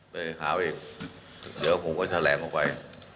ไปหาอีกเดี๋ยวผมก็แสดงออกไว้